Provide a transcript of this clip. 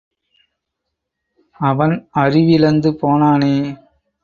அவன் அறிவிழந்து போனானே.